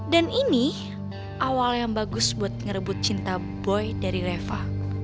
dan ini awal yang bagus buat ngerebut cinta boy dari reva